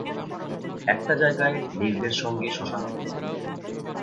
একটা জায়গায় নীরদের সঙ্গে শশাঙ্কের মেলে।